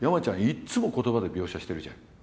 いっつも言葉で描写してるじゃん。